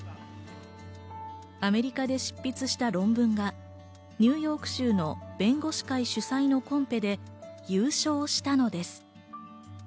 アメリカで執筆した論文がニューヨーク州の弁護士会主催のコンペで優勝したのです。